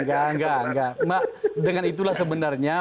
enggak enggak dengan itulah sebenarnya